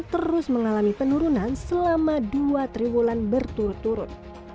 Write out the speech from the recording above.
terus mengalami penurunan selama dua tiga bulan berturut turut